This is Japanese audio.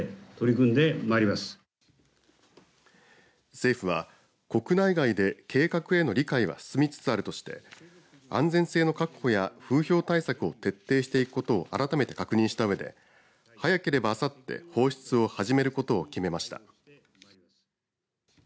政府は国内外で計画への理解は進みつつあるとして安全性の確保や風評対策を徹底していくことを改めて確認した上で早ければあさって放出を始めることを決めました。